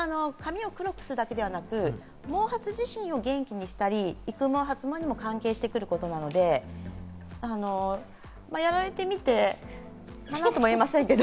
髪を黒くするだけでなく毛髪自身を元気にしたり、育毛・発毛にも関係してくることなので、やられてみて、まぁ何とも言えませんけど。